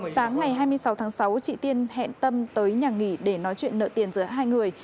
sáng ngày hai mươi sáu tháng sáu chị tiên hẹn tâm tới nhà nghỉ để nói chuyện nợ tiền giữa hai người